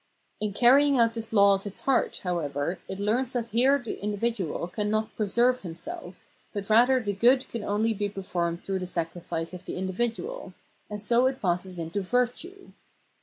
In carrying out this law of its heart, however, it learns that here the individual can not preserve himself, but rather the good can only be performed through the sacrifice of the individual : and so it passes into Virtue.